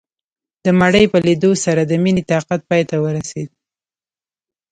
د مړي په ليدو سره د مينې طاقت پاى ته ورسېد.